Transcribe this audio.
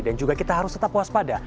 dan juga kita harus tetap puas pada